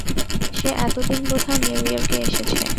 সে এতদিন বোধ হয় নিউ ইয়র্কে এসেছে।